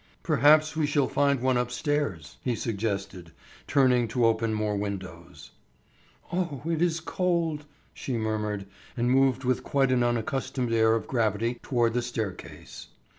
"Perhaps we shall find one upstairs," he suggested, turning to open more windows. "Oh, it is cold," she murmured, and moved with quite an unaccustomed air of gravity toward the staircase.